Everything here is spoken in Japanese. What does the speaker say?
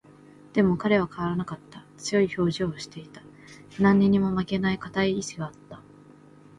でも、彼は変わらなかった。強い表情をしていた。何にも負けない固い意志があった。